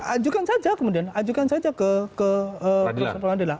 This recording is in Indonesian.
ajukan saja kemudian ajukan saja ke proses pengadilan